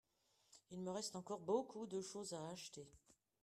Il me reste encore beaucoup de choses à acheter.